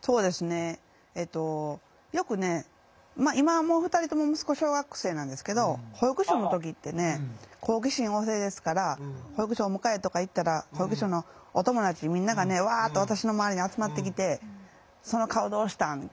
そうですねよくね今はもう２人とも息子小学生なんですけど保育所の時ってね好奇心旺盛ですから保育所お迎えとか行ったら保育所のお友達みんながねわあっと私の周りに集まってきて「その顔どうしたん？」